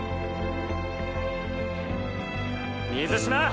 水嶋！